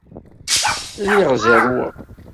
Lliɣ zerrweɣ.